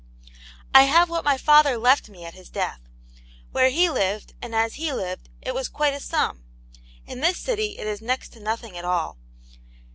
"I have what my father left me at his death. Where he lived, and as he lived, it was quite a sum. In this city it is next to nothing at all."